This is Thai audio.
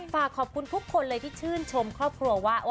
ฝากขอบคุณทุกคนเลยที่ชื่นชมครอบครัวว่า